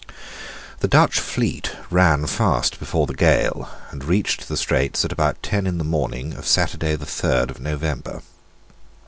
The Dutch fleet ran fast before the gale, and reached the Straits at about ten in the morning of Saturday the third of November.